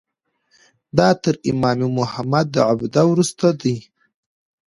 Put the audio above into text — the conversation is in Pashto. دا تر امام محمد عبده وروسته ده.